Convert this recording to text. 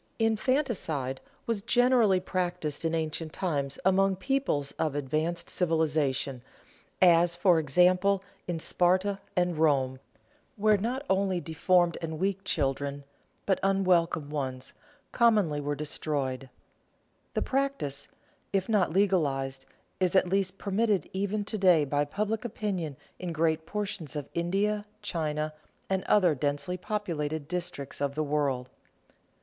Infanticide was generally practiced in ancient times among peoples of advanced civilization, as, for example, in Sparta and Rome, where not only deformed and weak children, but unwelcome ones, commonly were destroyed. The practice, if not legalized, is at least permitted even to day by public opinion in great portions of India, China, and other densely populated districts of the world.